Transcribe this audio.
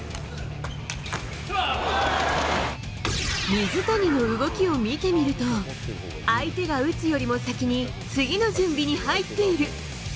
水谷の動きを見てみると相手が打つよりも先に次の準備に入っている。